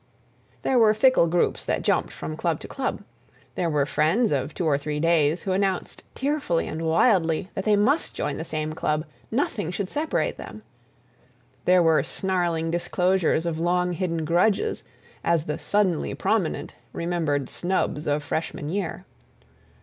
There were fickle groups that jumped from club to club; there were friends of two or three days who announced tearfully and wildly that they must join the same club, nothing should separate them; there were snarling disclosures of long hidden grudges as the Suddenly Prominent remembered snubs of freshman year.